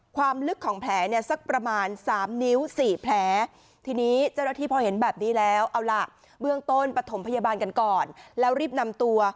ความลึกของแผลเนี่ยสักประมาณ๓นิ้ว๔แผลทีนี้เจ้าหน้าที่พอเห็นแบบนี้แล้วเอาล่ะเบื้องต้นปฐมพยาบาลกันก่อนแล้วรีบนำตัว